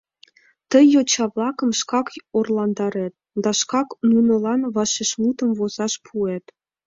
Тый йоча-влакым шкак орландарет да шкак нунылан вашешмут возаш пуэт.